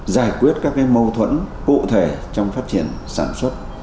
giải quyết các mâu thuẫn cụ thể trong phát triển sản xuất